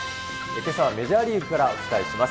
けさはメジャーリーグからお伝えします。